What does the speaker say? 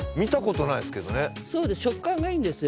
食感がいいんですよ。